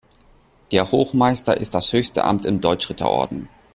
Der Hochmeister ist das höchste Amt im Deutschritterorden.